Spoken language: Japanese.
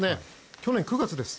去年９月です。